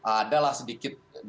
adalah sedikit pening